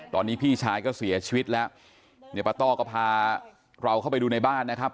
ตอนนี้พี่ชายก็เสียชีวิตแล้วเนี่ยป้าต้อก็พาเราเข้าไปดูในบ้านนะครับ